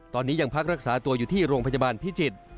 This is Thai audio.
ตอนนี้ยังพักรักษาตัวอยู่ที่โรงพยาบาลพิจิตร